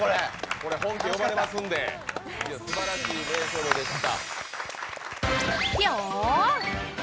これ本家呼ばれますんで、すばらしい名勝負でした。